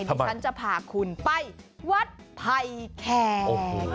ที่ฉันจะพาคุณไปวัดไผ่แขก